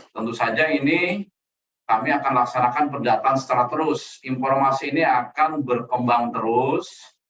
tentu saja ini kami akan laksanakan pendataan secara terus informasi ini akan berkembang terus